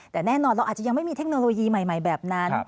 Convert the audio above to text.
แต่แน่นอนเราอาจจะยังไม่มีเทคโนโลยีใหม่แบบนั้น